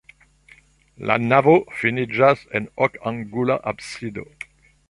La navo finiĝas en okangula absido.